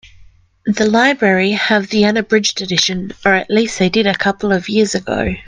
The library have the unabridged edition, or at least they did a couple of years ago.